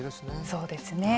そうですね。